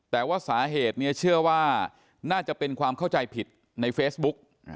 แต่ว่าสาเหตุเนี่ยเชื่อว่าน่าจะเป็นความเข้าใจผิดในเฟซบุ๊ก